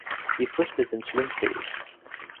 Die Früchte sind schwimmfähig.